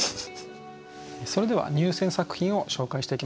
それでは入選作品を紹介していきましょう。